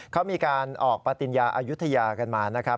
เขามีการออกปฏิญญาอายุทยากันมานะครับ